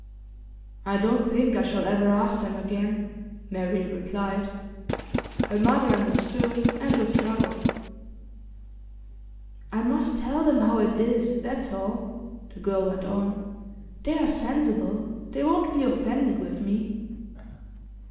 'I don't think I shall ever ask them again,' Marian replied. Her mother understood, and looked troubled. 'I must tell them how it is, that's all,' the girl went on. 'They are sensible; they won't be offended with me.